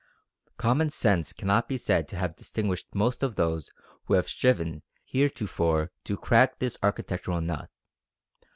Common sense cannot be said to have distinguished most of those who have striven heretofore to crack this architectural nut.